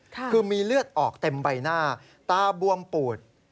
คือมีเลือดออกเต็มใบหน้าตาบวมปูด